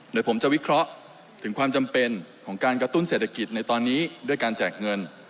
เดี๋ยวผมจะวิเคราะห์ถึงความจำเป็นของการกระตุ้นเศรษฐกิจในตอนนี้ด้วยการแจกเงิน